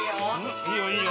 いいよいいよ